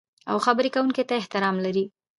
او خبرې کوونکي ته احترام لرئ.